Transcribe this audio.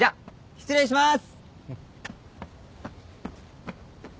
・失礼します。